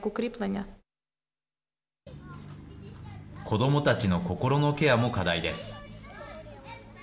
子どもたちの心のケアも課題です。